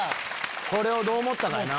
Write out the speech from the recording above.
これをどう思ったかやな。